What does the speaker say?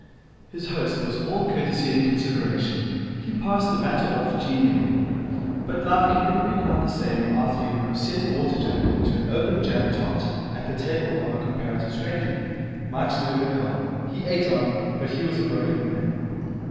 His host was all courtesy and consideration. He passed the matter off genially. But life can never be quite the same after you have upset a water jug into an open jam tart at the table of a comparative stranger. Mike's nerve had gone. He ate on, but he was a broken man.